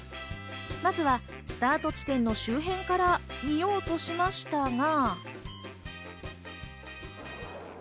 まずはスタート地点の周辺から見ようとしましたが。